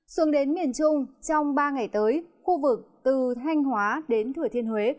xuống đến miền trung trong ba ngày tới khu vực từ thanh hóa đến thừa thiên huế